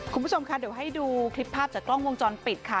คุณผู้ชมค่ะเดี๋ยวให้ดูคลิปภาพจากกล้องวงจรปิดค่ะ